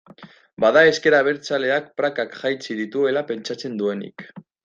Bada ezker abertzaleak prakak jaitsi dituela pentsatzen duenik.